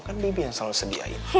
kan baby yang selalu sediain